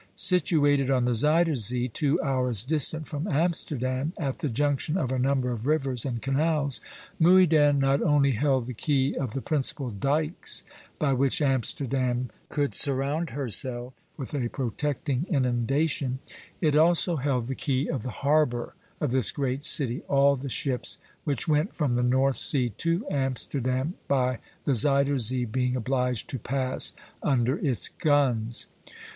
"Situated on the Zuyder Zee, two hours distant from Amsterdam, at the junction of a number of rivers and canals, Muyden not only held the key of the principal dykes by which Amsterdam could surround herself with a protecting inundation, it also held the key of the harbor of this great city, all the ships which went from the North Sea to Amsterdam by the Zuyder Zee being obliged to pass under its guns.